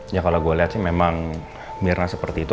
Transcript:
ya kalau gue lihat sih memang mirna seperti itu